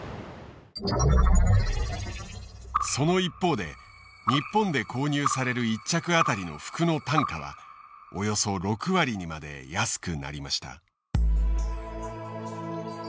その一方で日本で購入される一着当たりの服の単価はおよそ６割にまで安くなりました。